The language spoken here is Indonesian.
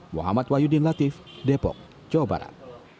muhammad wahyudin latif depok jawa barat